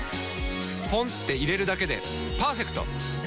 ポンって入れるだけでパーフェクト！